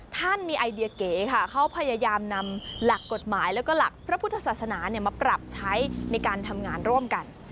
ท่านมีไอเดียเก๋ค่ะเขาพยายามนำหลักกฎหมายแล้วก็หลักพระพุทธศาสนามาปรับใช้ในการทำงานร่วมกัน